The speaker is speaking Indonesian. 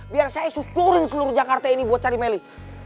biar saya susurin seluruh jakarta ini buat cari meli